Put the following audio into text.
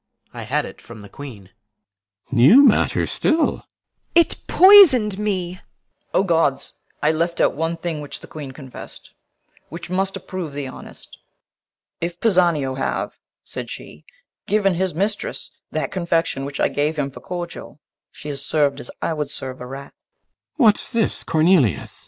I had it from the Queen. CYMBELINE. New matter still? IMOGEN. It poison'd me. CORNELIUS. O gods! I left out one thing which the Queen confess'd, Which must approve thee honest. 'If Pisanio Have' said she 'given his mistress that confection Which I gave him for cordial, she is serv'd As I would serve a rat.' CYMBELINE. What's this, Cornelius? CORNELIUS.